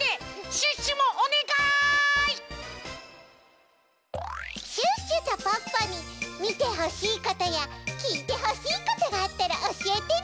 シュッシュとポッポにみてほしいことやきいてほしいことがあったらおしえてね！